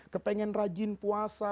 kepengen rajin puasa